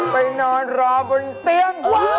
ไปนอนรอบนเตียง